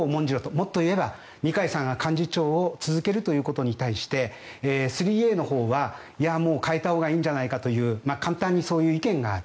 もっと言えば二階さんが幹事長を続けるということに対して３Ａのほうはもう代えたほうがいいんじゃないかという簡単にそういう意見がある。